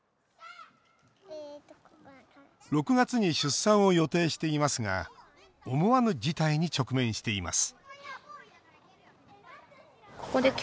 ６月に出産を予定していますが思わぬ事態に直面しています